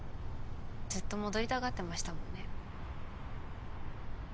ずっと戻りたがってましたもんね。